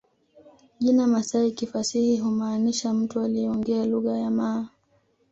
Jina Masai kifasihi humaanisha mtu anayeongea lugha ya Maa